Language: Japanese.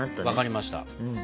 わかりました。